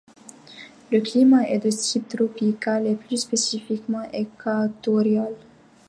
Le climat est de type tropical et plus spécifiquement équatorial.